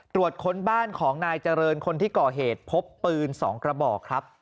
ค้นบ้านของนายเจริญคนที่ก่อเหตุพบปืน๒กระบอกครับ